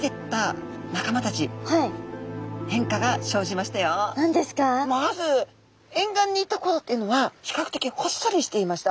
まず沿岸にいた頃っていうのは比較的ほっそりしていました。